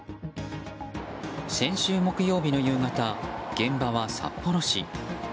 先週木曜日の夕方現場は札幌市。